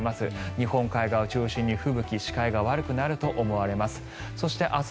日本海側を中心に吹雪視界が悪くなると思われます。